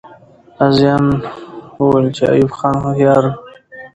غازیان وویل چې ایوب خان هوښیار وو.